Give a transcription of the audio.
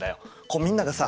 みんながさ